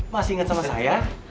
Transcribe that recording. masih inget sama saya